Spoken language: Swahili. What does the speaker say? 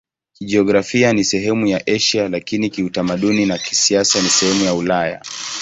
Kijiografia ni sehemu ya Asia, lakini kiutamaduni na kisiasa ni sehemu ya Ulaya.